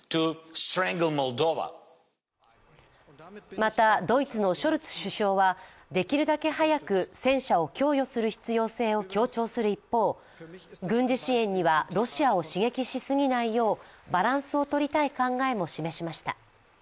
また、ドイツのショルツ首相は戦車を供与する必要性を強調する一方、軍事支援には、ロシアを刺激しすぎないようバランスをとりたい考えも示しました。